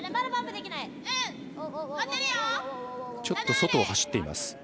ちょっと外を走っています。